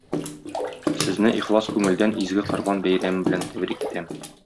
Сезне ихлас күңелдән изге Корбан бәйрәме белән тәбрик итәм!